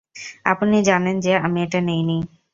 আপনি জানেন যে আমি এটা নেইনি!